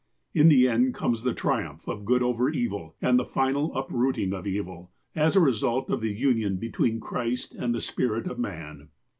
In the end comes the triumph of good over evil, and the final uprooting of evil, as a result of the union between Christ and the spirit of man.